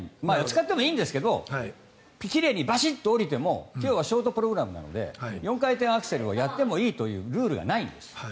まあ、使ってもいいんですが奇麗にバシッと降りても今日はショートプログラムなので４回転アクセルをやってもいいというルールがないんです。